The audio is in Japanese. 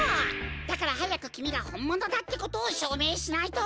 だからはやくきみがほんものだってことをしょうめいしないと！